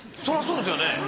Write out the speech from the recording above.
そりゃそうですよね。